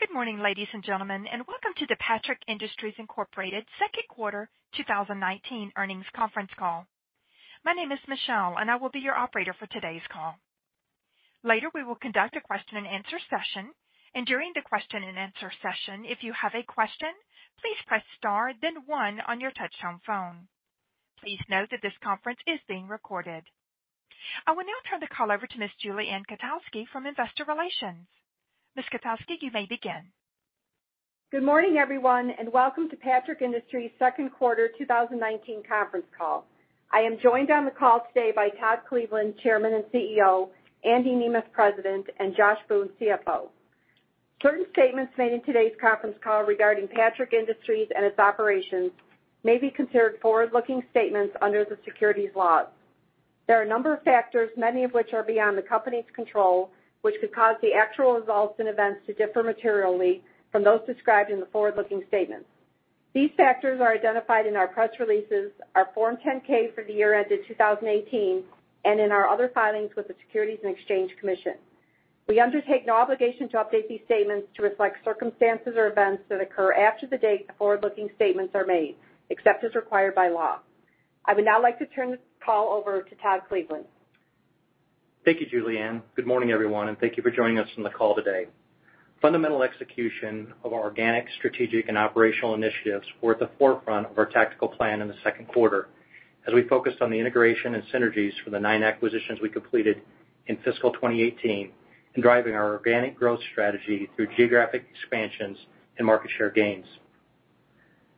Good morning, ladies and gentlemen, and welcome to the Patrick Industries, Inc. second quarter 2019 earnings conference call. My name is Michelle, and I will be your operator for today's call. Later, we will conduct a question and answer session. During the question and answer session, if you have a question, please press star then one on your touchtone phone. Please note that this conference is being recorded. I will now turn the call over to Ms. Julie Ann Kotowski from Investor Relations. Ms. Kotowski, you may begin. Good morning, everyone, and welcome to Patrick Industries second quarter 2019 conference call. I am joined on the call today by Todd Cleveland, Chairman and CEO, Andy Nemeth, President, and Josh Boone, CFO. Certain statements made in today's conference call regarding Patrick Industries and its operations may be considered forward-looking statements under the securities laws. There are a number of factors, many of which are beyond the company's control, which could cause the actual results and events to differ materially from those described in the forward-looking statements. These factors are identified in our press releases, our Form 10-K for the year ended 2018, and in our other filings with the Securities and Exchange Commission. We undertake no obligation to update these statements to reflect circumstances or events that occur after the date the forward-looking statements are made, except as required by law. I would now like to turn this call over to Todd Cleveland. Thank you, Julie Ann. Good morning, everyone, and thank you for joining us on the call today. Fundamental execution of our organic, strategic, and operational initiatives were at the forefront of our tactical plan in the second quarter as we focused on the integration and synergies for the nine acquisitions we completed in fiscal 2018 and driving our organic growth strategy through geographic expansions and market share gains.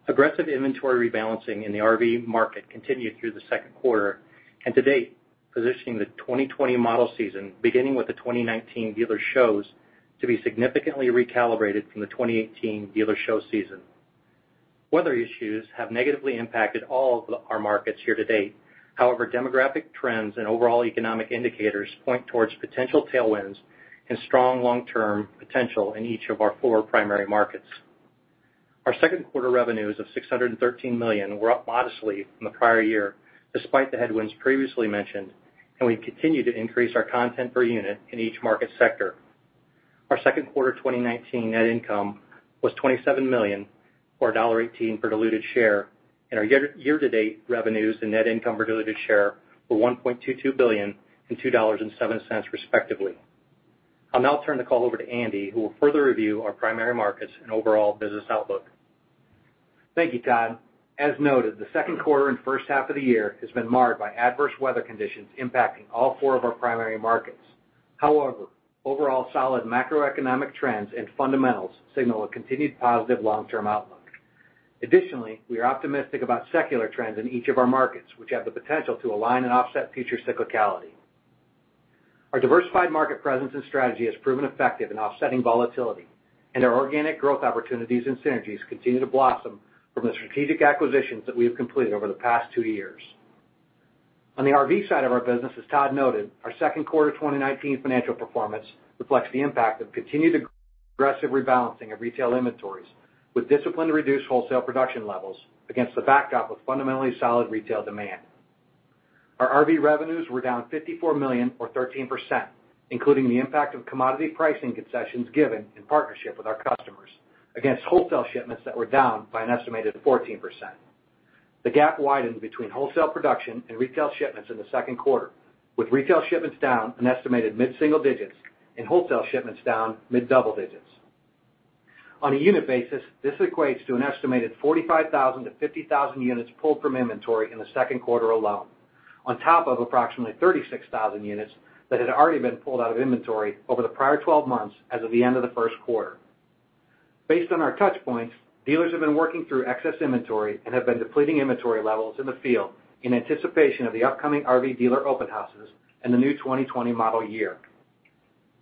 Aggressive inventory rebalancing in the RV market continued through the second quarter and to date, positioning the 2020 model season, beginning with the 2019 dealer shows, to be significantly recalibrated from the 2018 dealer show season. Weather issues have negatively impacted all of our markets here to date. Demographic trends and overall economic indicators point towards potential tailwinds and strong long-term potential in each of our four primary markets. Our second quarter revenues of $613 million were up modestly from the prior year, despite the headwinds previously mentioned, and we continue to increase our content per unit in each market sector. Our second quarter 2019 net income was $27 million, or $1.18 per diluted share, and our year-to-date revenues and net income per diluted share were $1.22 billion and $2.07 respectively. I'll now turn the call over to Andy, who will further review our primary markets and overall business outlook. Thank you, Todd. As noted, the second quarter and first half of the year has been marred by adverse weather conditions impacting all four of our primary markets. However, overall solid macroeconomic trends and fundamentals signal a continued positive long-term outlook. Additionally, we are optimistic about secular trends in each of our markets, which have the potential to align and offset future cyclicality. Our diversified market presence and strategy has proven effective in offsetting volatility, and our organic growth opportunities and synergies continue to blossom from the strategic acquisitions that we have completed over the past two years. On the RV side of our business, as Todd noted, our second quarter 2019 financial performance reflects the impact of continued aggressive rebalancing of retail inventories with discipline to reduce wholesale production levels against the backdrop of fundamentally solid retail demand. Our RV revenues were down $54 million or 13%, including the impact of commodity pricing concessions given in partnership with our customers against wholesale shipments that were down by an estimated 14%. The gap widened between wholesale production and retail shipments in the second quarter, with retail shipments down an estimated mid-single digits and wholesale shipments down mid double digits. On a unit basis, this equates to an estimated 45,000-50,000 units pulled from inventory in the second quarter alone, on top of approximately 36,000 units that had already been pulled out of inventory over the prior 12 months as of the end of the first quarter. Based on our touch points, dealers have been working through excess inventory and have been depleting inventory levels in the field in anticipation of the upcoming RV dealer open houses and the new 2020 model year.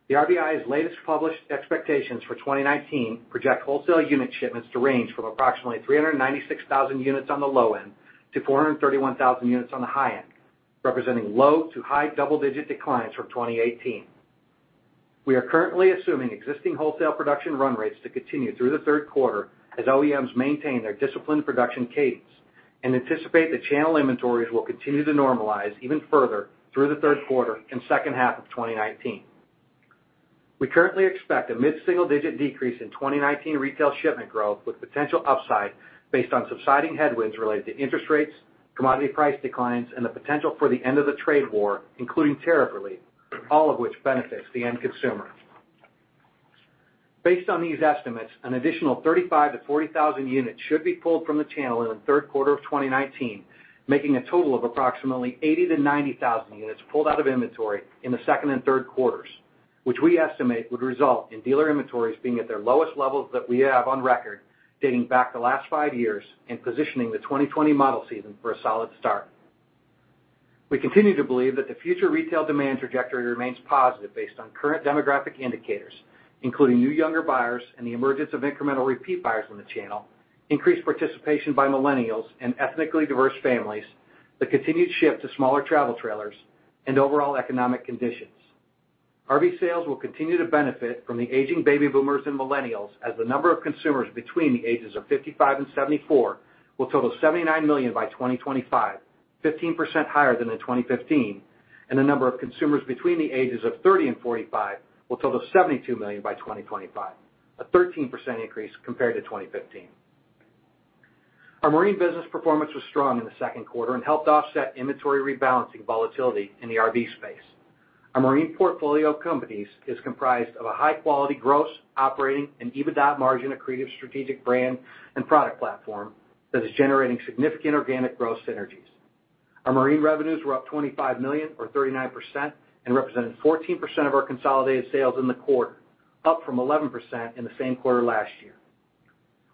The RVIA's latest published expectations for 2019 project wholesale unit shipments to range from approximately 396,000 units on the low end to 431,000 units on the high end, representing low to high double-digit declines from 2018. We are currently assuming existing wholesale production run rates to continue through the third quarter as OEMs maintain their disciplined production cadence and anticipate that channel inventories will continue to normalize even further through the third quarter and second half of 2019. We currently expect a mid-single-digit decrease in 2019 retail shipment growth with potential upside based on subsiding headwinds related to interest rates, commodity price declines, and the potential for the end of the trade war, including tariff relief, all of which benefits the end consumer. Based on these estimates, an additional 35,000-40,000 units should be pulled from the channel in the third quarter of 2019, making a total of approximately 80,000-90,000 units pulled out of inventory in the second and third quarters, which we estimate would result in dealer inventories being at their lowest levels that we have on record dating back the last five years and positioning the 2020 model season for a solid start. We continue to believe that the future retail demand trajectory remains positive based on current demographic indicators, including new younger buyers and the emergence of incremental repeat buyers from the channel, increased participation by millennials and ethnically diverse families, the continued shift to smaller travel trailers, and overall economic conditions. RV sales will continue to benefit from the aging baby boomers and millennials as the number of consumers between the ages of 55 and 74 will total 79 million by 2025, 15% higher than in 2015. The number of consumers between the ages of 30 and 45 will total 72 million by 2025, a 13% increase compared to 2015. Our marine business performance was strong in the second quarter and helped offset inventory rebalancing volatility in the RV space. Our marine portfolio of companies is comprised of a high-quality gross operating and EBITDA margin, accretive strategic brand and product platform that is generating significant organic growth synergies. Our marine revenues were up $25 million or 39% and represented 14% of our consolidated sales in the quarter, up from 11% in the same quarter last year.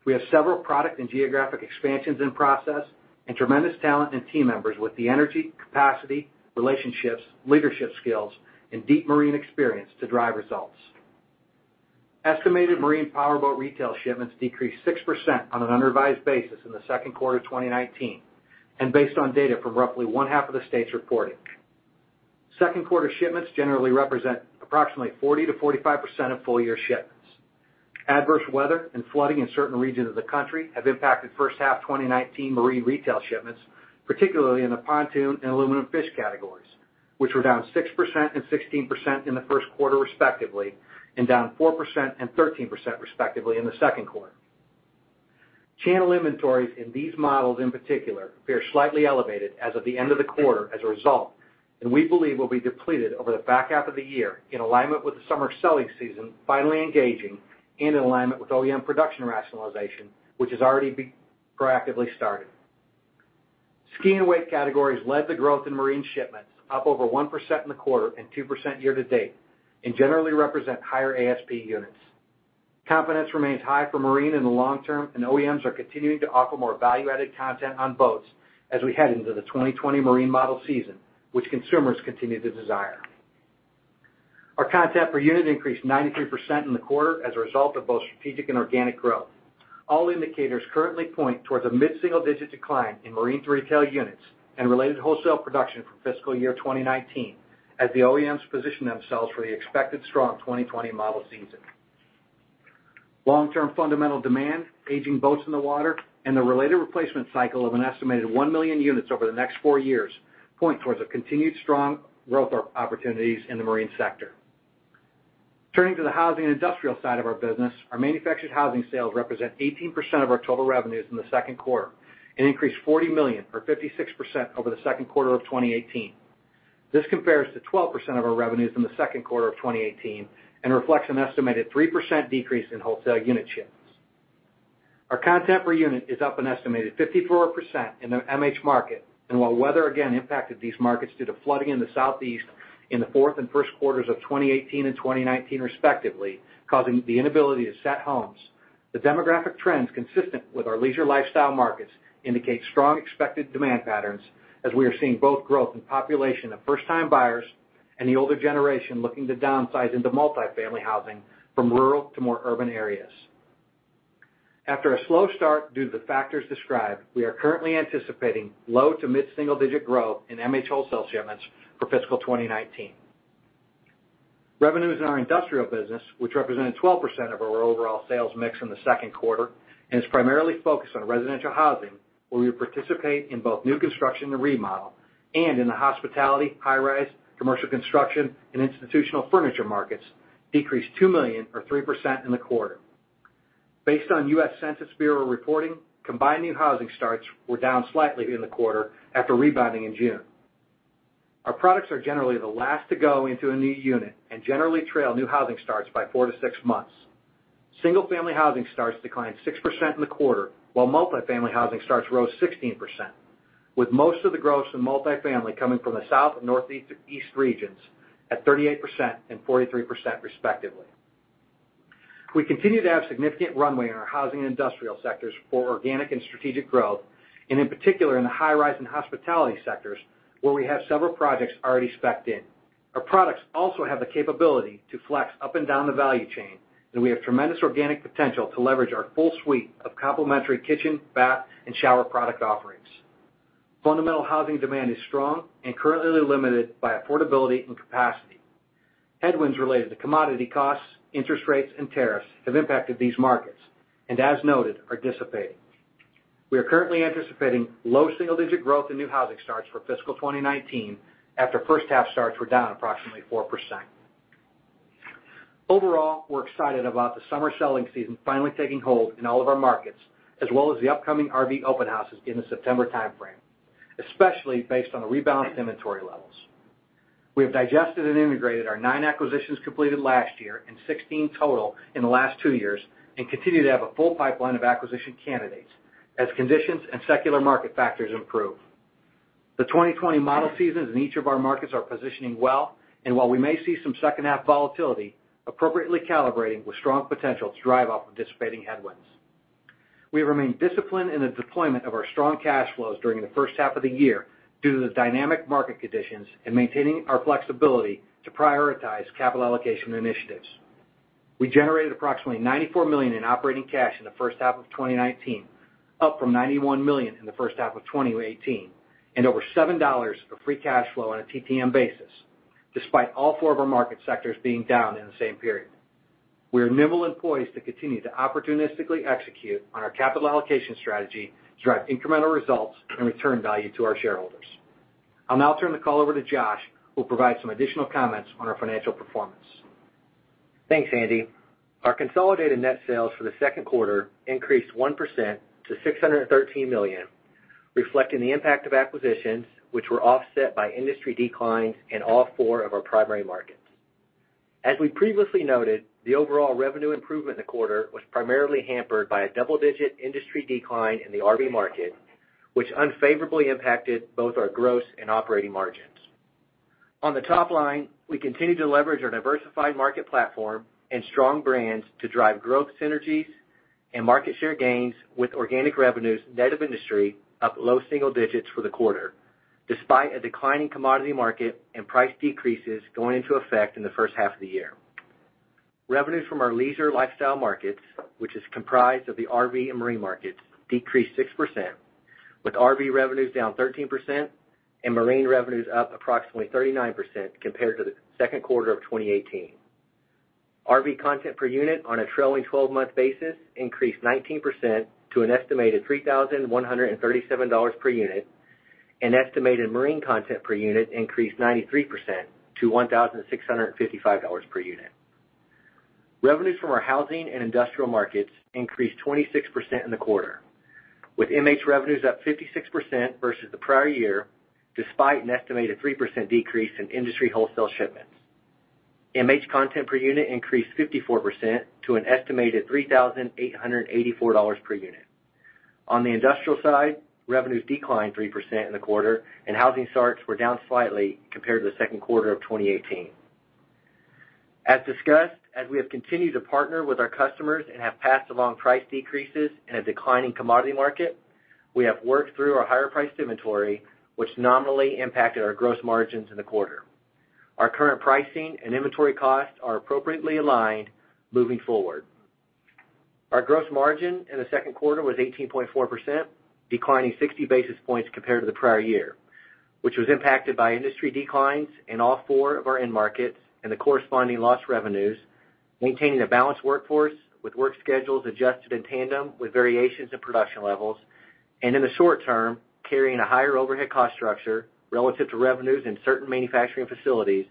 We have several product and geographic expansions in process and tremendous talent and team members with the energy, capacity, relationships, leadership skills, and deep marine experience to drive results. Estimated marine powerboat retail shipments decreased 6% on an unrevised basis in the second quarter 2019 and based on data from roughly one-half of the states reporting. Second quarter shipments generally represent approximately 40%-45% of full-year shipments. Adverse weather and flooding in certain regions of the country have impacted first half 2019 marine retail shipments, particularly in the pontoon and aluminum fish categories, which were down 6% and 16% in the first quarter, respectively, and down 4% and 13%, respectively, in the second quarter. Channel inventories in these models, in particular, appear slightly elevated as of the end of the quarter as a result, and we believe will be depleted over the back half of the year in alignment with the summer selling season finally engaging and in alignment with OEM production rationalization, which has already been proactively started. Ski and wake categories led to growth in marine shipments up over 1% in the quarter and 2% year to date and generally represent higher ASP units. Confidence remains high for marine in the long term, and OEMs are continuing to offer more value-added content on boats as we head into the 2020 marine model season, which consumers continue to desire. Our content per unit increased 93% in the quarter as a result of both strategic and organic growth. All indicators currently point towards a mid-single-digit decline in marine through retail units and related wholesale production for fiscal year 2019 as the OEMs position themselves for the expected strong 2020 model season. Long-term fundamental demand, aging boats in the water, and the related replacement cycle of an estimated 1 million units over the next 4 years point towards a continued strong growth opportunities in the marine sector. Turning to the housing and industrial side of our business, our manufactured housing sales represent 18% of our total revenues in the second quarter and increased $40 million or 56% over the second quarter of 2018. This compares to 12% of our revenues in the second quarter of 2018 and reflects an estimated 3% decrease in wholesale unit shipments. While weather again impacted these markets due to flooding in the southeast in the fourth and first quarters of 2018 and 2019 respectively, causing the inability to set homes, the demographic trends consistent with our leisure lifestyle markets indicate strong expected demand patterns as we are seeing both growth in population of first-time buyers and the older generation looking to downsize into multi-family housing from rural to more urban areas. After a slow start due to the factors described, we are currently anticipating low to mid-single-digit growth in MH wholesale shipments for fiscal 2019. Revenues in our industrial business, which represented 12% of our overall sales mix in the second quarter and is primarily focused on residential housing, where we participate in both new construction and remodel and in the hospitality, high-rise, commercial construction, and institutional furniture markets, decreased $2 million or 3% in the quarter. Based on US Census Bureau reporting, combined new housing starts were down slightly in the quarter after rebounding in June. Our products are generally the last to go into a new unit and generally trail new housing starts by four to six months. Single-family housing starts declined 6% in the quarter while multi-family housing starts rose 16%, with most of the growth in multi-family coming from the South and Northeast to East regions at 38% and 43%, respectively. We continue to have significant runway in our housing and industrial sectors for organic and strategic growth, and in particular in the high-rise and hospitality sectors, where we have several projects already spec'd in. Our products also have the capability to flex up and down the value chain, and we have tremendous organic potential to leverage our full suite of complementary kitchen, bath, and shower product offerings. Fundamental housing demand is strong and currently limited by affordability and capacity. Headwinds related to commodity costs, interest rates, and tariffs have impacted these markets and as noted, are dissipating. We are currently anticipating low single-digit growth in new housing starts for fiscal 2019 after first half starts were down approximately 4%. Overall, we're excited about the summer selling season finally taking hold in all of our markets as well as the upcoming RV open houses in the September timeframe, especially based on the rebalanced inventory levels. We have digested and integrated our nine acquisitions completed last year and 16 total in the last two years and continue to have a full pipeline of acquisition candidates as conditions and secular market factors improve. The 2020 model seasons in each of our markets are positioning well, and while we may see some second-half volatility, appropriately calibrating with strong potential to drive off of dissipating headwinds. We have remained disciplined in the deployment of our strong cash flows during the first half of the year due to the dynamic market conditions and maintaining our flexibility to prioritize capital allocation initiatives. We generated approximately $94 million in operating cash in the first half of 2019, up from $91 million in the first half of 2018 and over $7 of free cash flow on a TTM basis, despite all four of our market sectors being down in the same period. We are nimble and poised to continue to opportunistically execute on our capital allocation strategy to drive incremental results and return value to our shareholders. I'll now turn the call over to Josh, who will provide some additional comments on our financial performance. Thanks, Andy. Our consolidated net sales for the second quarter increased 1% to $613 million, reflecting the impact of acquisitions, which were offset by industry declines in all four of our primary markets. As we previously noted, the overall revenue improvement in the quarter was primarily hampered by a double-digit industry decline in the RV market, which unfavorably impacted both our gross and operating margins. On the top line, we continued to leverage our diversified market platform and strong brands to drive growth synergies and market share gains with organic revenues, net of industry, up low single digits for the quarter, despite a declining commodity market and price decreases going into effect in the first half of the year. Revenues from our leisure lifestyle markets, which is comprised of the RV and marine markets, decreased 6%, with RV revenues down 13% and marine revenues up approximately 39% compared to the second quarter of 2018. RV content per unit on a trailing 12-month basis increased 19% to an estimated $3,137 per unit, and estimated marine content per unit increased 93% to $1,655 per unit. Revenues from our housing and industrial markets increased 26% in the quarter, with MH revenues up 56% versus the prior year, despite an estimated 3% decrease in industry wholesale shipments. MH content per unit increased 54% to an estimated $3,884 per unit. On the industrial side, revenues declined 3% in the quarter, and housing starts were down slightly compared to the second quarter of 2018. As discussed, as we have continued to partner with our customers and have passed along price decreases in a declining commodity market, we have worked through our higher-priced inventory, which nominally impacted our gross margins in the quarter. Our current pricing and inventory costs are appropriately aligned moving forward. Our gross margin in the second quarter was 18.4%, declining 60 basis points compared to the prior year, which was impacted by industry declines in all four of our end markets and the corresponding loss revenues, maintaining a balanced workforce with work schedules adjusted in tandem with variations in production levels, and in the short term, carrying a higher overhead cost structure relative to revenues in certain manufacturing facilities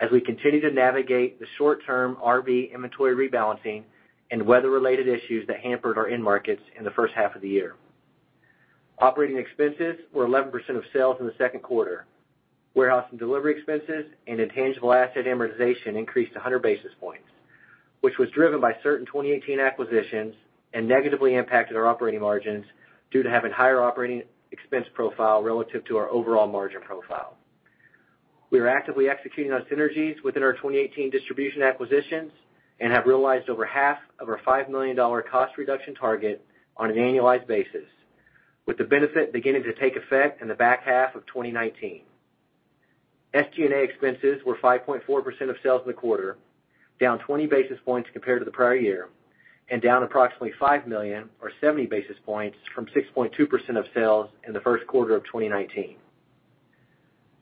as we continue to navigate the short-term RV inventory rebalancing and weather-related issues that hampered our end markets in the first half of the year. Operating expenses were 11% of sales in the second quarter. Warehouse and delivery expenses and intangible asset amortization increased 100 basis points, which was driven by certain 2018 acquisitions and negatively impacted our operating margins due to having higher operating expense profile relative to our overall margin profile. We are actively executing on synergies within our 2018 distribution acquisitions and have realized over half of our $5 million cost reduction target on an annualized basis, with the benefit beginning to take effect in the back half of 2019. SG&A expenses were 5.4% of sales in the quarter, down 20 basis points compared to the prior year and down approximately $5 million or 70 basis points from 6.2% of sales in the first quarter of 2019.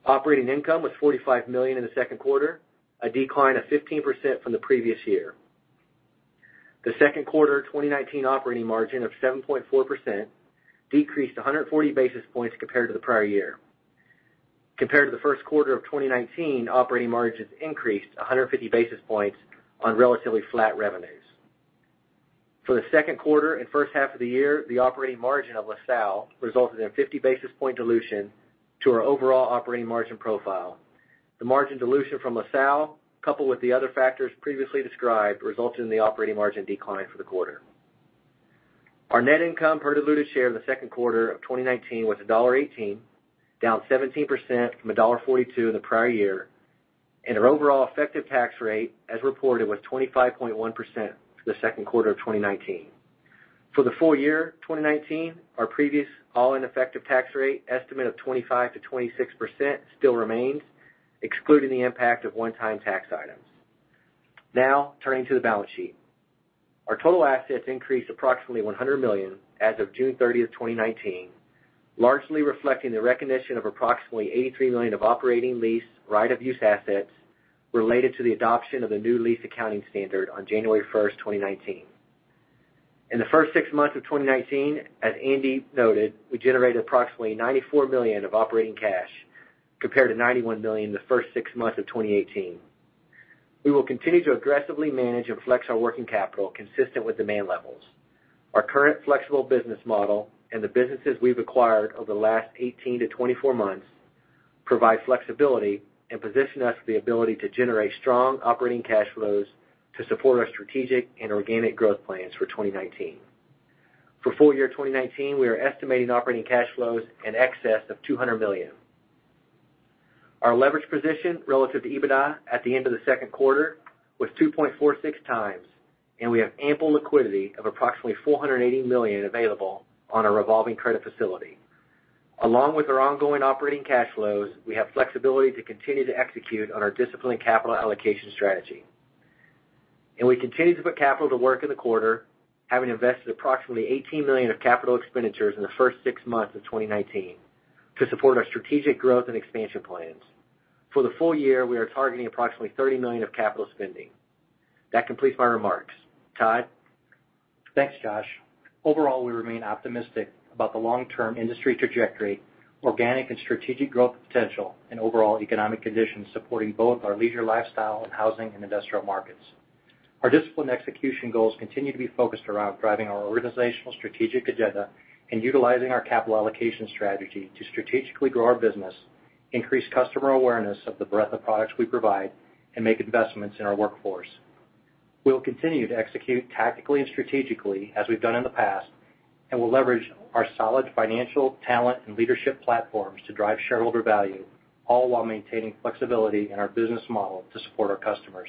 Operating income was $45 million in the second quarter, a decline of 15% from the previous year. The second quarter 2019 operating margin of 7.4% decreased 140 basis points compared to the prior year. Compared to the first quarter of 2019, operating margins increased 150 basis points on relatively flat revenues. For the second quarter and first half of the year, the operating margin of LaSalle resulted in a 50 basis point dilution to our overall operating margin profile. The margin dilution from LaSalle, coupled with the other factors previously described, resulted in the operating margin decline for the quarter. Our net income per diluted share in the second quarter of 2019 was $1.18, down 17% from $1.42 in the prior year, and our overall effective tax rate, as reported, was 25.1% for the second quarter of 2019. For the full year 2019, our previous all-in effective tax rate estimate of 25%-26% still remains, excluding the impact of one-time tax items. Turning to the balance sheet. Our total assets increased approximately $100 million as of June 30th, 2019, largely reflecting the recognition of approximately $83 million of operating lease right-of-use assets related to the adoption of the new lease accounting standard on January 1st, 2019. In the first six months of 2019, as Andy noted, we generated approximately $94 million of operating cash compared to $91 million in the first six months of 2018. We will continue to aggressively manage and flex our working capital consistent with demand levels. Our current flexible business model and the businesses we've acquired over the last 18-24 months provide flexibility and position us for the ability to generate strong operating cash flows to support our strategic and organic growth plans for 2019. For full year 2019, we are estimating operating cash flows in excess of $200 million. Our leverage position relative to EBITDA at the end of the second quarter was 2.46 times. We have ample liquidity of approximately $480 million available on our revolving credit facility. Along with our ongoing operating cash flows, we have flexibility to continue to execute on our disciplined capital allocation strategy. We continue to put capital to work in the quarter, having invested approximately $18 million of capital expenditures in the first six months of 2019 to support our strategic growth and expansion plans. For the full year, we are targeting approximately $30 million of capital spending. That completes my remarks. Todd? Thanks, Josh. Overall, we remain optimistic about the long-term industry trajectory, organic and strategic growth potential, and overall economic conditions supporting both our leisure lifestyle and housing and industrial markets. Our discipline execution goals continue to be focused around driving our organizational strategic agenda and utilizing our capital allocation strategy to strategically grow our business, increase customer awareness of the breadth of products we provide, and make investments in our workforce. We'll continue to execute tactically and strategically as we've done in the past, and we'll leverage our solid financial talent and leadership platforms to drive shareholder value, all while maintaining flexibility in our business model to support our customers.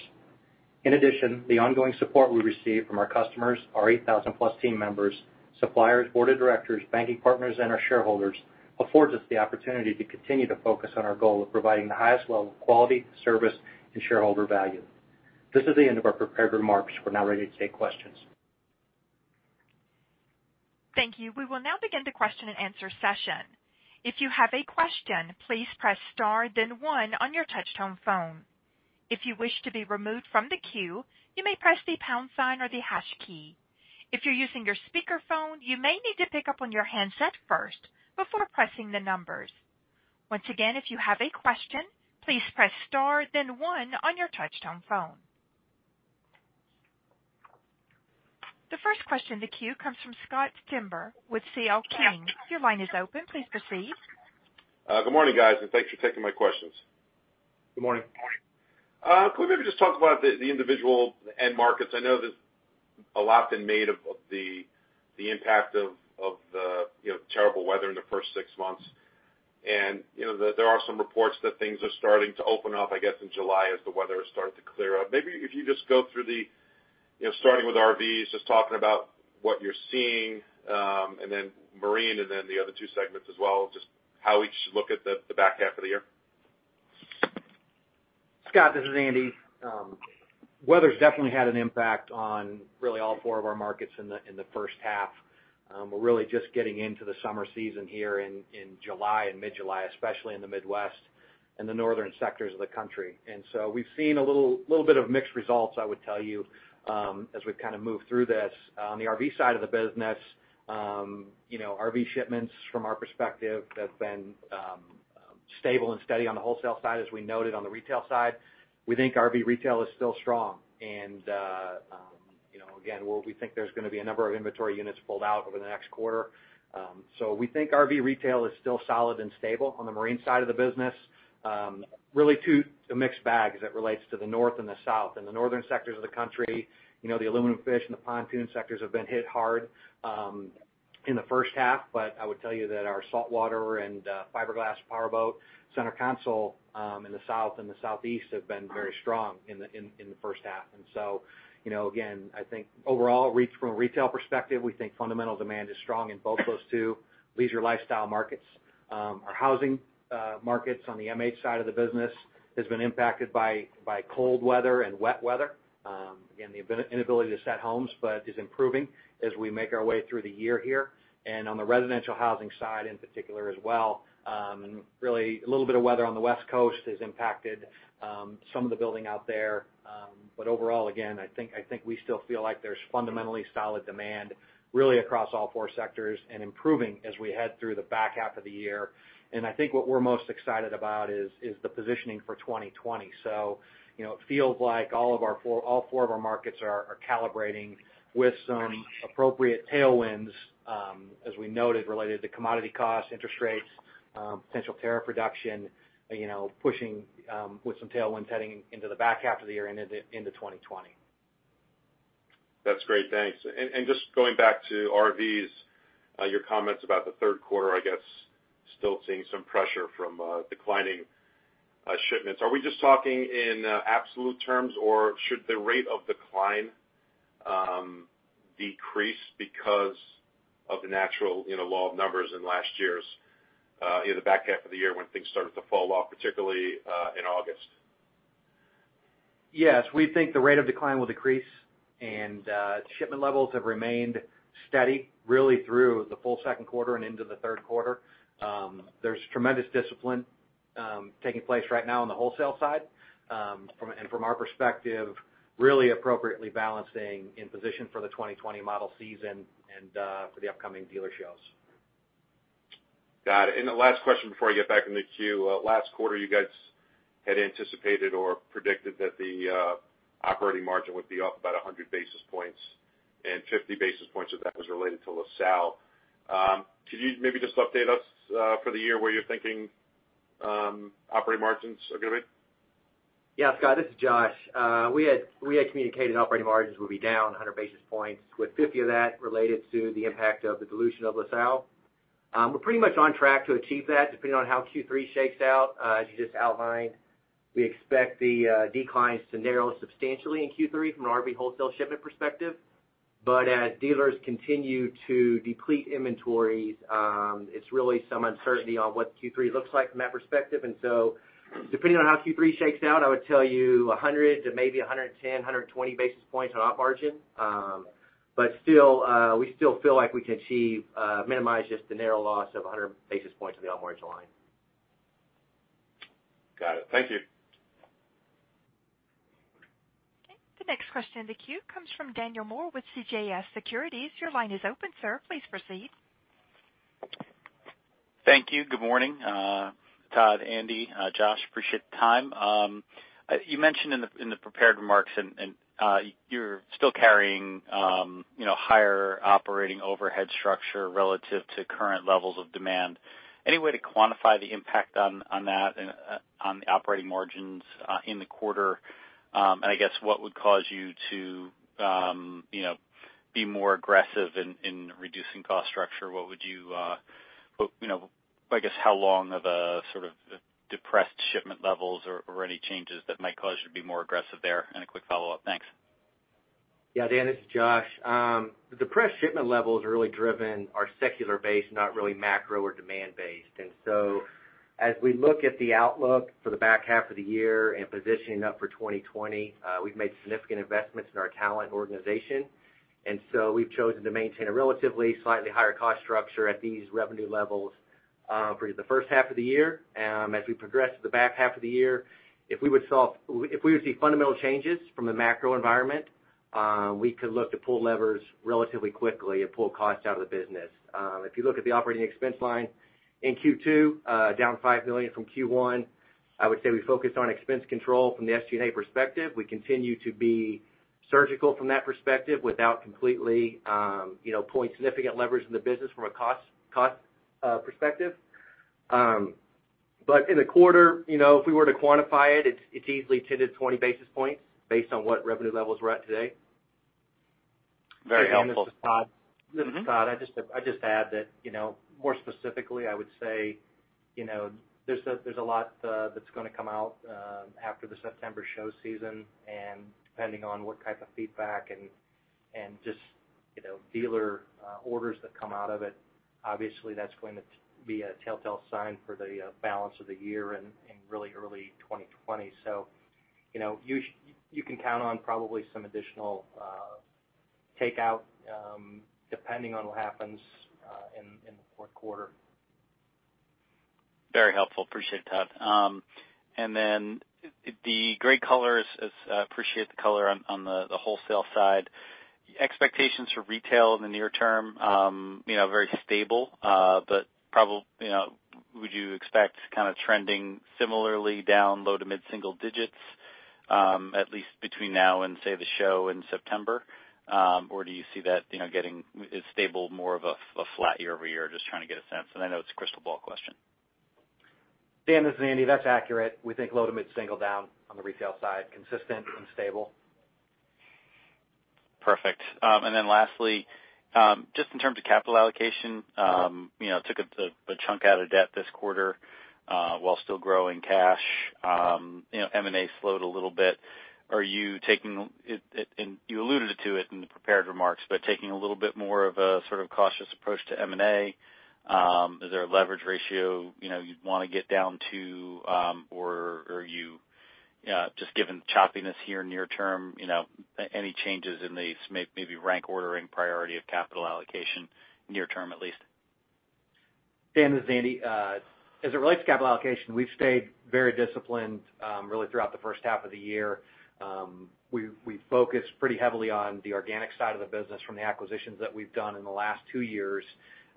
The ongoing support we receive from our customers, our 8,000-plus team members, suppliers, board of directors, banking partners, and our shareholders affords us the opportunity to continue to focus on our goal of providing the highest level of quality, service, and shareholder value. This is the end of our prepared remarks. We're now ready to take questions. Thank you. We will now begin the question and answer session. If you have a question, please press star then one on your touch-tone phone. If you wish to be removed from the queue, you may press the pound sign or the hash key. If you're using your speakerphone, you may need to pick up on your handset first before pressing the numbers. Once again, if you have a question, please press star then one on your touch-tone phone. The first question in the queue comes from Scott Stember with CL King. Your line is open. Please proceed. Good morning, guys, and thanks for taking my questions. Good morning. Could we maybe just talk about the individual end markets? I know that a lot's been made of the impact of the terrible weather in the first six months. There are some reports that things are starting to open up, I guess, in July as the weather is starting to clear up. Maybe if you just go through the, starting with RVs, just talking about what you're seeing, and then Marine, and then the other two segments as well. Just how we should look at the back half of the year. Scott, this is Andy. Weather's definitely had an impact on really all four of our markets in the first half. We're really just getting into the summer season here in July and mid-July, especially in the Midwest and the northern sectors of the country. We've seen a little bit of mixed results, I would tell you, as we've kind of moved through this. On the RV side of the business, RV shipments from our perspective have been stable and steady on the wholesale side, as we noted on the retail side. We think RV retail is still strong. Again, we think there's going to be a number of inventory units pulled out over the next quarter. We think RV retail is still solid and stable on the Marine side of the business. Really two mixed bags as it relates to the north and the south. In the northern sectors of the country, the aluminum fish and the pontoon sectors have been hit hard in the first half. I would tell you that our saltwater and fiberglass powerboat center console in the South and the Southeast have been very strong in the first half. Again, I think overall, from a retail perspective, we think fundamental demand is strong in both those two leisure lifestyle markets. Our housing markets on the MH side of the business has been impacted by cold weather and wet weather. Again, the inability to set homes, but is improving as we make our way through the year here. On the residential housing side in particular as well. Really, a little bit of weather on the West Coast has impacted some of the building out there. Overall, again, I think we still feel like there's fundamentally solid demand really across all four sectors and improving as we head through the back half of the year. I think what we're most excited about is the positioning for 2020. It feels like all four of our markets are calibrating with some appropriate tailwinds, as we noted, related to commodity costs, interest rates, potential tariff reduction, pushing with some tailwinds heading into the back half of the year and into 2020. That's great. Thanks. Just going back to RVs, your comments about the third quarter, I guess, still seeing some pressure from declining shipments. Are we just talking in absolute terms, or should the rate of decline decrease because of the natural law of numbers in last year's back half of the year when things started to fall off, particularly in August? Yes, we think the rate of decline will decrease, and shipment levels have remained steady really through the full second quarter and into the third quarter. There's tremendous discipline taking place right now on the wholesale side. From our perspective, really appropriately balancing in position for the 2020 model season and for the upcoming dealer shows. Got it. The last question before I get back in the queue. Last quarter, you guys had anticipated or predicted that the operating margin would be up about 100 basis points, and 50 basis points of that was related to LaSalle. Could you maybe just update us for the year where you're thinking operating margins are going to be? Yeah, Scott, this is Josh. We had communicated operating margins will be down 100 basis points, with 50 of that related to the impact of the dilution of LaSalle. We're pretty much on track to achieve that, depending on how Q3 shakes out. As you just outlined, we expect the declines to narrow substantially in Q3 from an RV wholesale shipment perspective. As dealers continue to deplete inventories, it's really some uncertainty on what Q3 looks like from that perspective. Depending on how Q3 shakes out, I would tell you 100 to maybe 110, 120 basis points on op margin. Still, we still feel like we can minimize just the narrow loss of 100 basis points on the all margin line. Got it. Thank you. Okay. The next question in the queue comes from Daniel Moore with CJS Securities. Your line is open, sir. Please proceed. Thank you. Good morning, Todd, Andy, Josh. Appreciate the time. You mentioned in the prepared remarks, and you're still carrying higher operating overhead structure relative to current levels of demand. Any way to quantify the impact on that and on the operating margins in the quarter? I guess what would cause you to be more aggressive in reducing cost structure? I guess, how long of a sort of depressed shipment levels or any changes that might cause you to be more aggressive there? A quick follow-up. Thanks. Dan, this is Josh. The depressed shipment levels are really driven secular-based, not really macro or demand-based. As we look at the outlook for the back half of the year and positioning up for 2020, we've made significant investments in our talent organization. We've chosen to maintain a relatively slightly higher cost structure at these revenue levels, for the first half of the year. As we progress to the back half of the year, if we would see fundamental changes from the macro environment, we could look to pull levers relatively quickly and pull cost out of the business. If you look at the operating expense line in Q2, down $5 million from Q1, I would say we focused on expense control from the SG&A perspective. We continue to be surgical from that perspective without completely pulling significant levers in the business from a cost perspective. In the quarter, if we were to quantify it's easily 10-20 basis points based on what revenue levels we're at today. Very helpful. This is Todd. I'd just add that, more specifically, I would say, there's a lot that's going to come out after the September show season. Depending on what type of feedback and just dealer orders that come out of it, obviously, that's going to be a telltale sign for the balance of the year and in really early 2020. You can count on probably some additional takeout, depending on what happens in the fourth quarter. Very helpful. Appreciate it, Todd. Then the great call, appreciate the color on the wholesale side. Expectations for retail in the near term, very stable. Would you expect kind of trending similarly down low to mid-single digits, at least between now and, say, the show in September? Do you see that getting stable more of a flat year-over-year? Just trying to get a sense. I know it's a crystal ball question. Dan, this is Andy. That's accurate. We think low to mid-single down on the retail side, consistent and stable. Perfect. Lastly, just in terms of capital allocation, took a chunk out of debt this quarter, while still growing cash. M&A slowed a little bit. You alluded to it in the prepared remarks, but taking a little bit more of a sort of cautious approach to M&A. Is there a leverage ratio you'd want to get down to, or just given choppiness here near term, any changes in these, maybe rank ordering priority of capital allocation near term at least? Dan, this is Andy. As it relates to capital allocation, we've stayed very disciplined really throughout the first half of the year. We focused pretty heavily on the organic side of the business from the acquisitions that we've done in the last two years,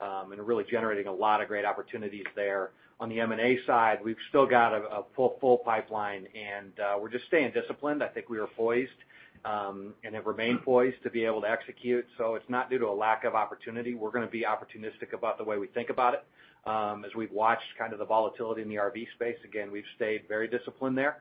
and really generating a lot of great opportunities there. On the M&A side, we've still got a full pipeline, and we're just staying disciplined. I think we are poised, and have remained poised to be able to execute. It's not due to a lack of opportunity. We're going to be opportunistic about the way we think about it. As we've watched kind of the volatility in the RV space, again, we've stayed very disciplined there.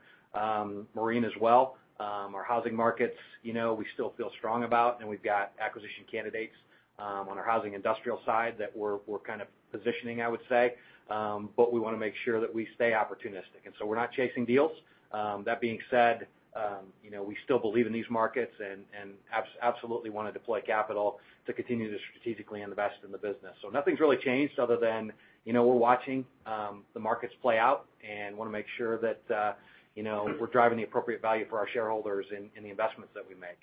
Marine as well. Our housing markets, we still feel strong about, and we've got acquisition candidates on our housing industrial side that we're kind of positioning, I would say. We want to make sure that we stay opportunistic. We're not chasing deals. That being said, we still believe in these markets and absolutely want to deploy capital to continue to strategically invest in the business. Nothing's really changed other than we're watching the markets play out and want to make sure that we're driving the appropriate value for our shareholders in the investments that we make.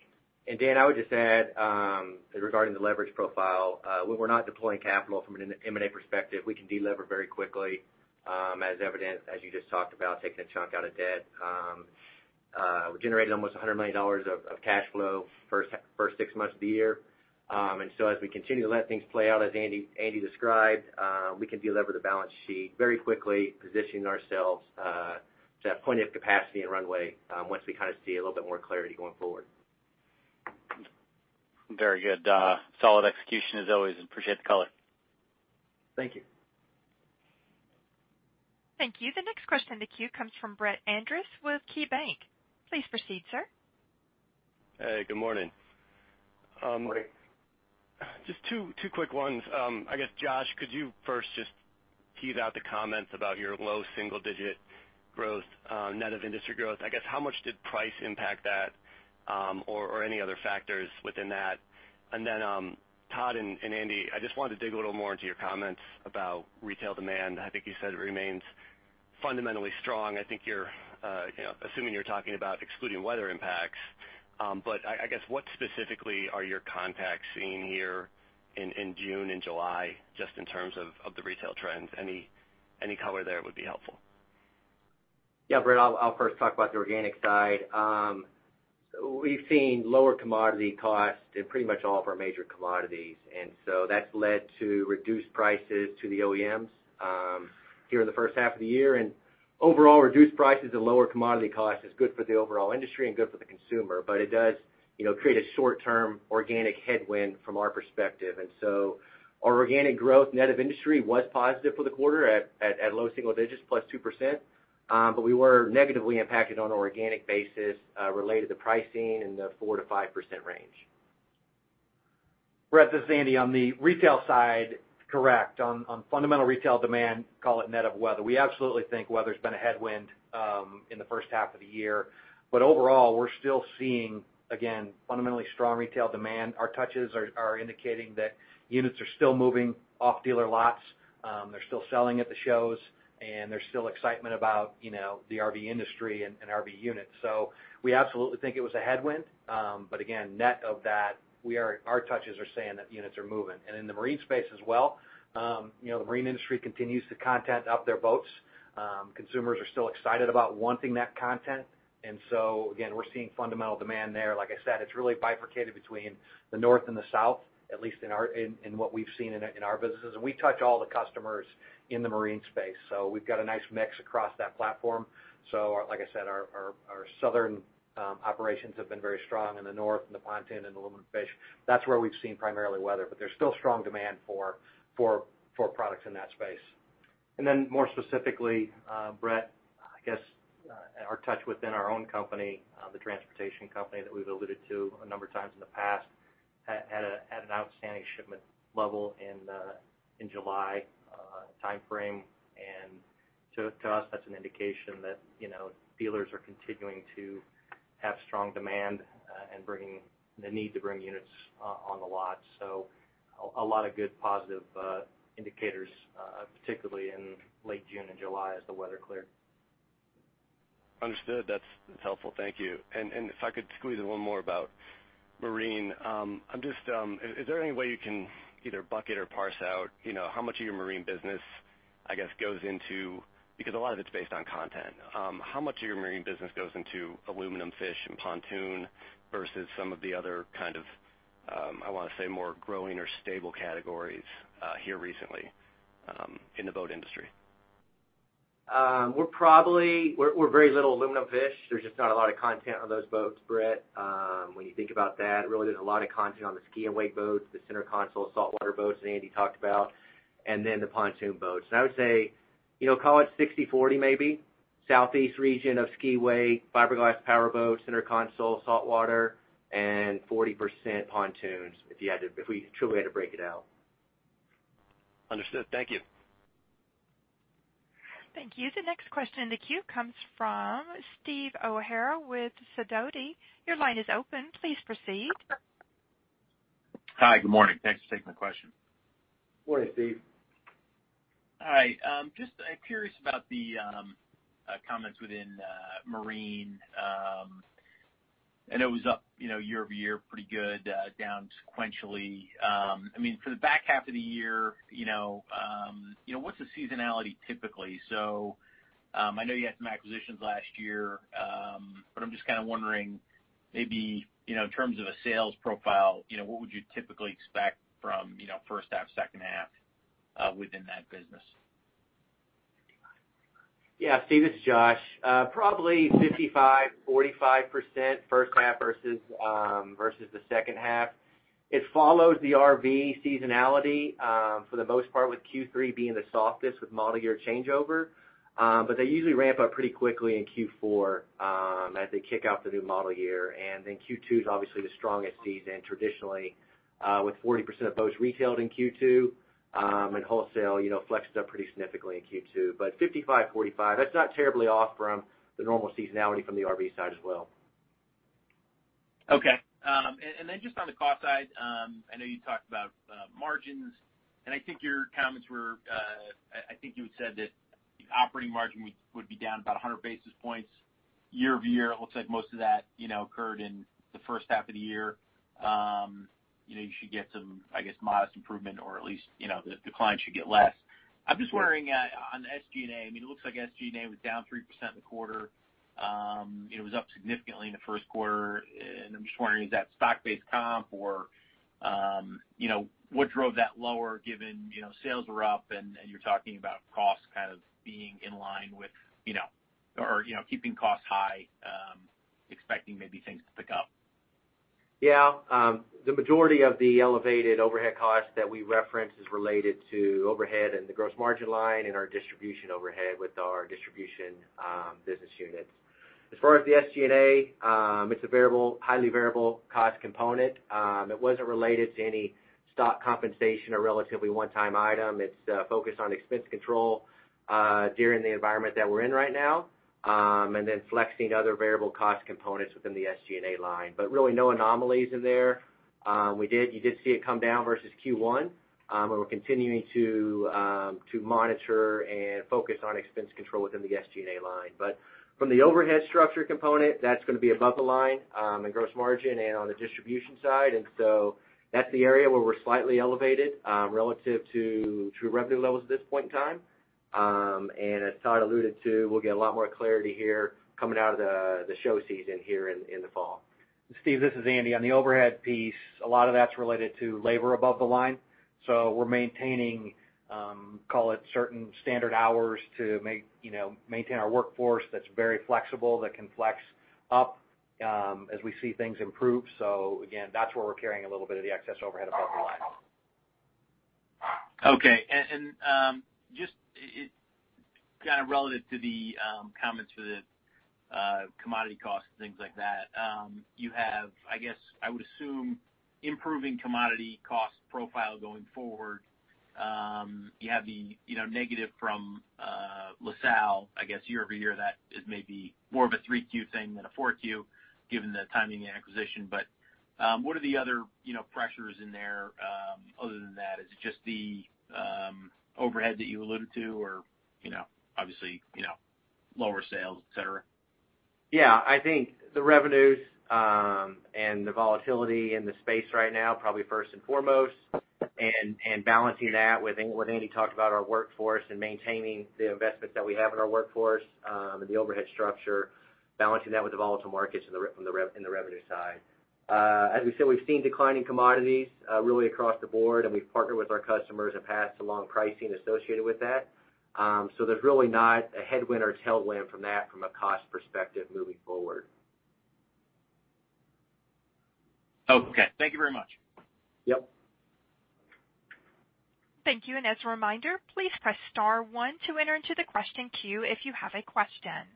Dan, I would just add, regarding the leverage profile, when we're not deploying capital from an M&A perspective, we can delever very quickly, as evident as you just talked about taking a chunk out of debt. We generated almost $100 million of cash flow first six months of the year. As we continue to let things play out, as Andy described, we can delever the balance sheet very quickly, positioning ourselves to that point of capacity and runway once we kind of see a little bit more clarity going forward. Very good. Solid execution as always. Appreciate the color. Thank you. Thank you. The next question in the queue comes from Brett Andress with KeyBanc. Please proceed, sir. Hey, good morning. Good morning. Just two quick ones. Josh, could you first just tease out the comments about your low single-digit growth, net of industry growth? I guess, how much did price impact that, or any other factors within that? Todd and Andy, I just wanted to dig a little more into your comments about retail demand. I think you said it remains fundamentally strong. I think you're assuming you're talking about excluding weather impacts. What specifically are your contacts seeing here in June and July, just in terms of the retail trends? Any color there would be helpful. Brett, I'll first talk about the organic side. We've seen lower commodity costs in pretty much all of our major commodities, that's led to reduced prices to the OEMs here in the first half of the year. Overall, reduced prices and lower commodity costs is good for the overall industry and good for the consumer. It does create a short-term organic headwind from our perspective. Our organic growth net of industry was positive for the quarter at low single digits, +2%. We were negatively impacted on an organic basis related to pricing in the 4%-5% range. Brett, this is Andy. On the retail side, correct. On fundamental retail demand, call it net of weather. We absolutely think weather's been a headwind in the first half of the year. Overall, we're still seeing, again, fundamentally strong retail demand. Our touches are indicating that units are still moving off dealer lots. They're still selling at the shows, and there's still excitement about the RV industry and RV units. We absolutely think it was a headwind. Again, net of that, our touches are saying that the units are moving. In the marine space as well, the marine industry continues to content up their boats. Consumers are still excited about wanting that content. Again, we're seeing fundamental demand there. Like I said, it's really bifurcated between the North and the South, at least in what we've seen in our businesses. We touch all the customers in the marine space, so we've got a nice mix across that platform. Like I said, our southern operations have been very strong in the north, in the pontoon and aluminum fish. That's where we've seen primarily weather, but there's still strong demand for products in that space. More specifically, Brett, I guess, our touch within our own company, the transportation company that we've alluded to a number of times in the past, had an outstanding shipment level in July timeframe. To us, that's an indication that dealers are continuing to have strong demand and the need to bring units on the lot. A lot of good positive indicators, particularly in late June and July as the weather cleared. Understood. That's helpful. Thank you. If I could squeeze in one more about marine. Is there any way you can either bucket or parse out how much of your marine business, I guess, because a lot of it's based on content, how much of your marine business goes into aluminum, fish, and pontoon versus some of the other kind of, I want to say, more growing or stable categories here recently in the boat industry? We're very little aluminum fish. There's just not a lot of content on those boats, Brett. When you think about that, really there's a lot of content on the ski and wake boats, the center console, saltwater boats that Andy talked about, and then the pontoon boats. I would say, call it 60/40 maybe, southeast region of ski/wake, fiberglass power boats, center console, saltwater, and 40% pontoons if we truly had to break it out. Understood. Thank you. Thank you. The next question in the queue comes from Steve O'Hara with Sidoti. Your line is open. Please proceed. Hi. Good morning. Thanks for taking my question. Morning, Steve. Hi. Just curious about the comments within marine. I know it was up year-over-year, pretty good, down sequentially. For the back half of the year, what's the seasonality typically? I know you had some acquisitions last year. I'm just kind of wondering, maybe, in terms of a sales profile, what would you typically expect from first half, second half within that business? Yeah. Steve, this is Josh. Probably 55%, 45% first half versus the second half. It follows the RV seasonality for the most part, with Q3 being the softest with model year changeover. They usually ramp up pretty quickly in Q4 as they kick out the new model year. Then Q2 is obviously the strongest season, traditionally with 40% of boats retailed in Q2. Wholesale flexes up pretty significantly in Q2. 55/45, that's not terribly off from the normal seasonality from the RV side as well. Okay. Just on the cost side, I know you talked about margins, and I think your comments were, I think you had said that operating margin would be down about 100 basis points year-over-year. It looks like most of that occurred in the first half of the year. You should get some, I guess, modest improvement or at least the decline should get less. I'm just wondering on the SG&A, it looks like SG&A was down 3% in the quarter. It was up significantly in the first quarter. I'm just wondering, is that stock-based comp or what drove that lower given sales were up and you're talking about costs kind of being in line with, or keeping costs high, expecting maybe things to pick up? Yeah. The majority of the elevated overhead costs that we referenced is related to overhead and the gross margin line and our distribution overhead with our distribution business units. As far as the SG&A, it's a highly variable cost component. It wasn't related to any stock compensation or relatively one-time item. It's focused on expense control during the environment that we're in right now. Then flexing other variable cost components within the SG&A line. Really no anomalies in there. You did see it come down versus Q1, and we're continuing to monitor and focus on expense control within the SG&A line. From the overhead structure component, that's going to be above the line in gross margin and on the distribution side. That's the area where we're slightly elevated, relative to true revenue levels at this point in time. As Todd alluded to, we'll get a lot more clarity here coming out of the show season here in the fall. Steve, this is Andy. On the overhead piece, a lot of that's related to labor above the line. We're maintaining, call it certain standard hours to maintain our workforce that's very flexible, that can flex up as we see things improve. Again, that's where we're carrying a little bit of the excess overhead above the line. Okay. Just kind of relative to the comments for the commodity costs and things like that, you have, I guess I would assume, improving commodity cost profile going forward. You have the negative from LaSalle, I guess year-over-year, that is maybe more of a 3Q thing than a 4Q, given the timing of the acquisition. What are the other pressures in there other than that? Is it just the overhead that you alluded to or obviously lower sales, et cetera? Yeah, I think the revenues and the volatility in the space right now, probably first and foremost, and balancing that with what Andy talked about, our workforce and maintaining the investments that we have in our workforce, and the overhead structure, balancing that with the volatile markets in the revenue side. As we said, we've seen declining commodities really across the board, and we've partnered with our customers and passed along pricing associated with that. There's really not a headwind or tailwind from that from a cost perspective moving forward. Okay, thank you very much. Yep. Thank you. As a reminder, please press star one to enter into the question queue if you have a question.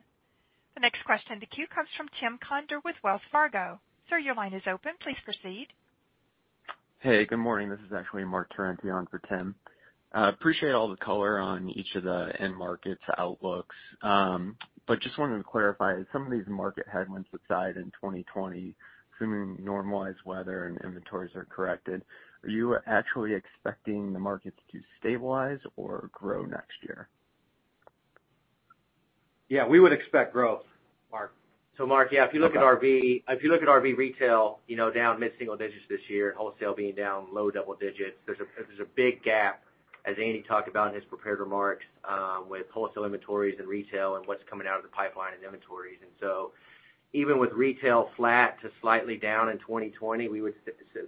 The next question in the queue comes from Tim Conder with Wells Fargo. Sir, your line is open. Please proceed. Hey, good morning. This is actually Mark Turentine on for Tim. Appreciate all the color on each of the end markets' outlooks. Just wanted to clarify, as some of these market headwinds subside in 2020, assuming normalized weather and inventories are corrected, are you actually expecting the markets to stabilize or grow next year? Yeah, we would expect growth, Mark. Mark, yeah, if you look at RV retail, down mid-single digits this year, wholesale being down low double digits, there's a big gap, as Andy talked about in his prepared remarks, with wholesale inventories and retail and what's coming out of the pipeline and inventories. Even with retail flat to slightly down in 2020, we would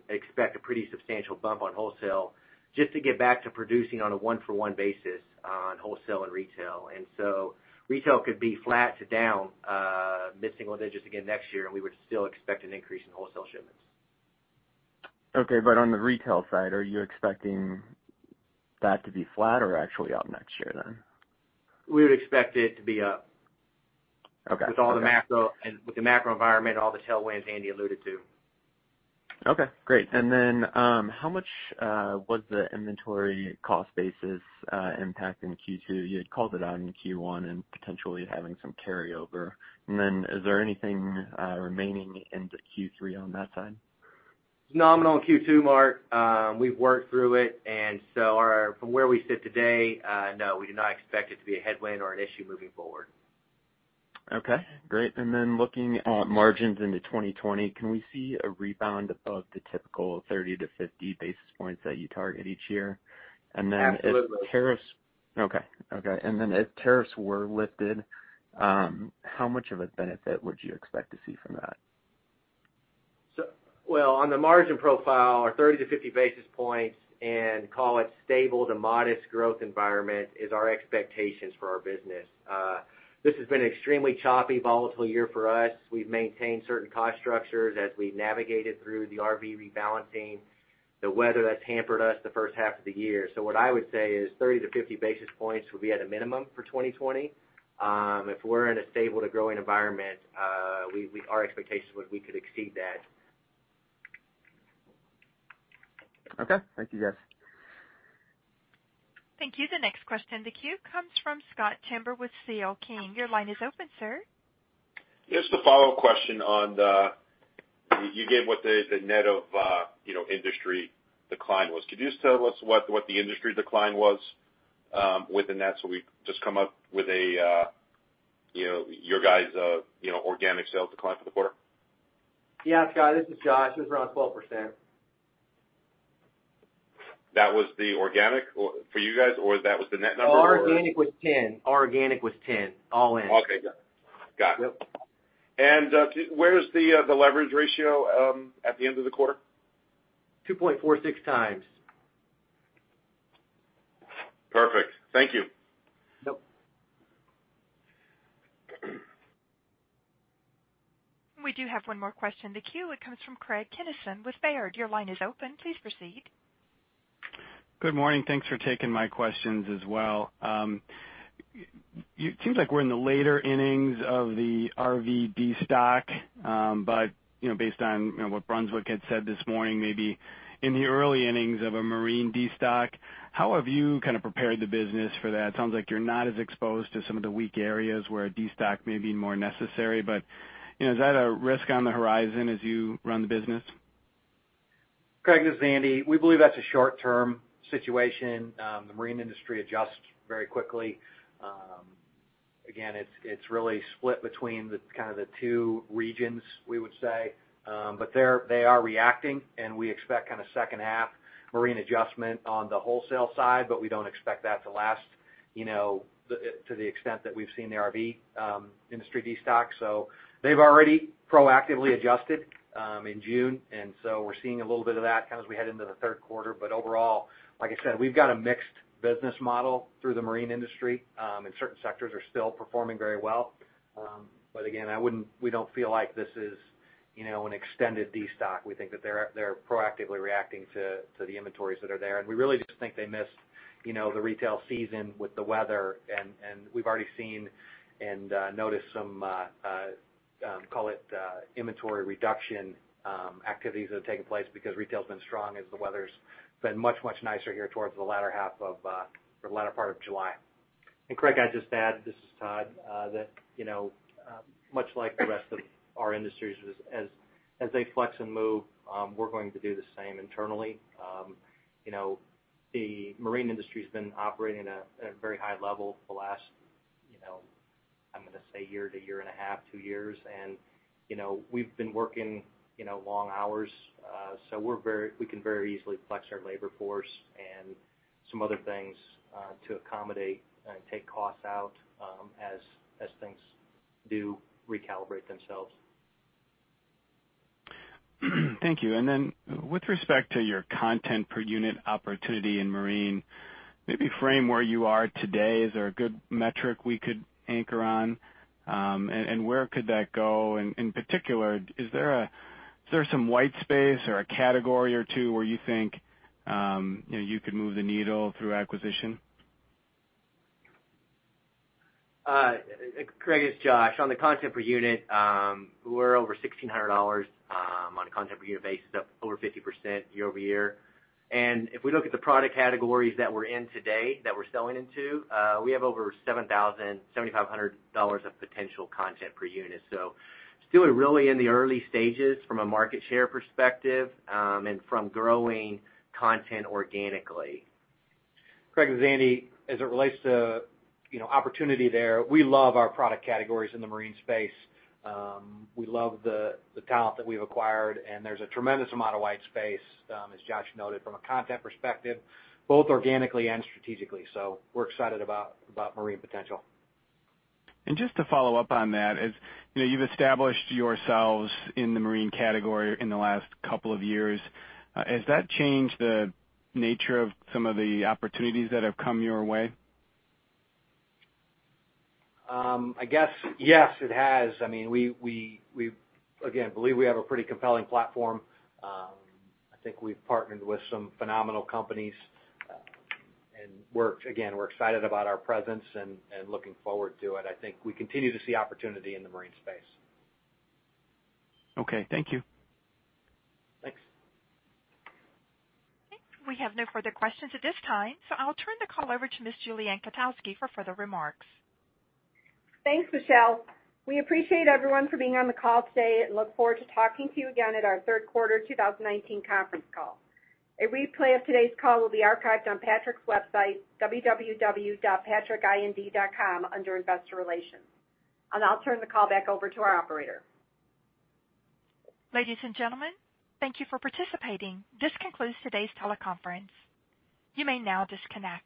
expect a pretty substantial bump on wholesale just to get back to producing on a one-for-one basis on wholesale and retail. Retail could be flat to down mid-single digits again next year, and we would still expect an increase in wholesale shipments. Okay, on the retail side, are you expecting that to be flat or actually up next year then? We would expect it to be up. Okay. With the macro environment and all the tailwinds Andy alluded to. Okay, great. Then how much was the inventory cost basis impact in Q2? You had called it out in Q1 and potentially having some carryover. Then is there anything remaining into Q3 on that side? Nominal in Q2, Mark. We've worked through it, from where we sit today, no, we do not expect it to be a headwind or an issue moving forward. Okay, great. Looking at margins into 2020, can we see a rebound above the typical 30-50 basis points that you target each year? Absolutely. Okay. If tariffs were lifted, how much of a benefit would you expect to see from that? Well, on the margin profile, our 30 to 50 basis points and call it stable to modest growth environment is our expectations for our business. This has been an extremely choppy, volatile year for us. We've maintained certain cost structures as we navigated through the RV rebalancing, the weather that's hampered us the first half of the year. What I would say is 30 to 50 basis points will be at a minimum for 2020. If we're in a stable to growing environment, our expectation would be we could exceed that. Okay. Thank you guys. Thank you. The next question in the queue comes from Scott Stember with CL King. Your line is open, sir. Just a follow-up question. You gave what the net of industry decline was. Could you just tell us what the industry decline was within that so we just come up with your guys' organic sales decline for the quarter? Yeah, Scott, this is Josh. It was around 12%. That was the organic for you guys, or that was the net number? Our organic was 10%. All in. Okay. Got it. Yep. Where's the leverage ratio at the end of the quarter? Two point four six times. Perfect. Thank you. Yep. We do have one more question in the queue. It comes from Craig Kennison with Baird. Your line is open. Please proceed. Good morning. Thanks for taking my questions as well. It seems like we're in the later innings of the RV destock, but based on what Brunswick had said this morning, maybe in the early innings of a marine destock. How have you prepared the business for that? It sounds like you're not as exposed to some of the weak areas where a destock may be more necessary, but is that a risk on the horizon as you run the business? Craig, this is Andy. We believe that's a short-term situation. The marine industry adjusts very quickly. Again, it's really split between the two regions, we would say. They are reacting, and we expect kind of second half marine adjustment on the wholesale side, but we don't expect that to last to the extent that we've seen the RV industry destock. They've already proactively adjusted in June, and so we're seeing a little bit of that as we head into the third quarter. Overall, like I said, we've got a mixed business model through the marine industry, and certain sectors are still performing very well. Again, we don't feel like this is an extended destock. We think that they're proactively reacting to the inventories that are there. We really just think they missed the retail season with the weather, and we've already seen and noticed some, call it inventory reduction activities that have taken place because retail's been strong as the weather's been much, much nicer here towards the latter part of July. Craig, can I just add, this is Todd, that much like the rest of our industries, as they flex and move, we're going to do the same internally. The marine industry's been operating at a very high level for the last, I'm going to say year to year and a half, two years. We've been working long hours, so we can very easily flex our labor force and some other things to accommodate and take costs out as things do recalibrate themselves. Thank you. Then with respect to your content per unit opportunity in marine, maybe frame where you are today. Is there a good metric we could anchor on? Where could that go? In particular, is there some white space or a category or two where you think you could move the needle through acquisition? Craig, it's Josh. On the content per unit, we're over $1,600 on a content per unit basis, up over 50% year-over-year. If we look at the product categories that we're in today, that we're selling into, we have over $7,500 of potential content per unit. Still really in the early stages from a market share perspective, and from growing content organically. Craig, this is Andy. As it relates to opportunity there, we love our product categories in the marine space. We love the talent that we've acquired, and there's a tremendous amount of white space, as Josh noted, from a content perspective, both organically and strategically. We're excited about marine potential. Just to follow up on that, as you've established yourselves in the marine category in the last couple of years, has that changed the nature of some of the opportunities that have come your way? I guess, yes, it has. We, again, believe we have a pretty compelling platform. I think we've partnered with some phenomenal companies. Again, we're excited about our presence and looking forward to it. I think we continue to see opportunity in the marine space. Okay. Thank you. Thanks. We have no further questions at this time. I'll turn the call over to Ms. Julie Ann Kotowski for further remarks. Thanks, Michelle. We appreciate everyone for being on the call today and look forward to talking to you again at our third quarter 2019 conference call. A replay of today's call will be archived on Patrick's website, www.patrickind.com, under Investor Relations. I'll turn the call back over to our operator. Ladies and gentlemen, thank you for participating. This concludes today's teleconference. You may now disconnect.